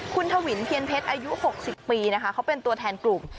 คุณทวินเทียนเพชรอายุ๖๐ปีนะคะเขาเป็นตัวแทนกลุ่ม